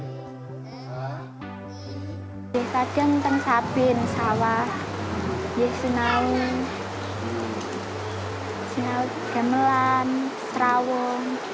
di desa ini ada sabin sawah sinau gemelan serawong